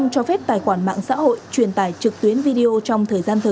chỉ cần một chiếc điện thoại